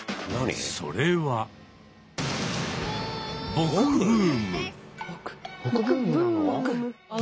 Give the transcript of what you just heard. それは「ぼく」ブーム！